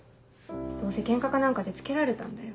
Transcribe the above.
どうせケンカか何かでつけられたんだよ。